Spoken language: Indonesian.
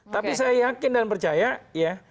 tapi saya yakin dan percaya ya